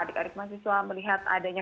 adik adik mahasiswa melihat adanya